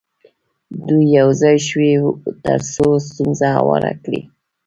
دوی یو ځای شوي وي تر څو ستونزه هواره کړي.